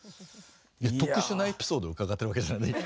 特殊なエピソード伺ってるわけじゃない。